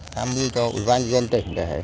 tham biêu cho ủy ban dân tỉnh